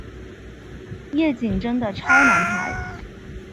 夜景真的超难拍